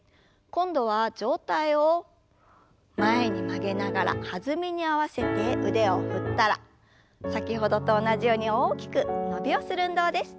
今度は上体を前に曲げながら弾みに合わせて腕を振ったら先ほどと同じように大きく伸びをする運動です。